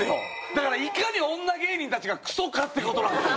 だからいかに女芸人たちがクソかって事なんですよ。